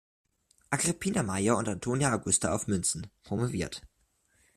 Agrippina Maior und Antonia Augusta auf Münzen" promoviert.